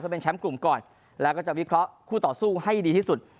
เป็นแชมป์กลุ่มก่อนแล้วก็จะวิเคราะห์คู่ต่อสู้ให้ดีที่สุด